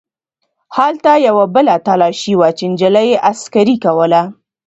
هلته یوه بله تلاشي وه چې نجلۍ عسکرې کوله.